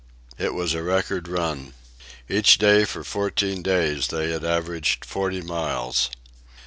It was a record run. Each day for fourteen days they had averaged forty miles.